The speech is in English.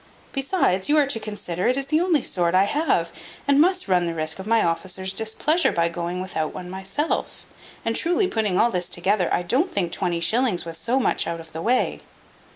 Besides, you are to consider, it is the only sword I have, and I must run the risque of my officer's displeasure, by going without one myself. And truly, putting all this together, I don't think twenty shillings was so much out of the way."